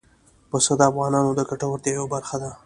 پسه د افغانانو د ګټورتیا یوه برخه ده.